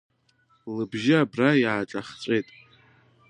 Лыбжьы абра иааҿахҵәеит.